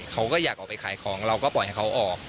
เขาก็อยากออกไปขายของเราก็ปล่อยให้เขาออก